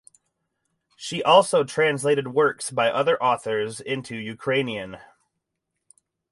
She also translated works by other authors into Ukrainian.